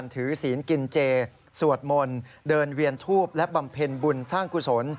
ศีลกินเจสวดมนต์เดินเวียนทูบและบำเพ็ญบุญสร้างกุศล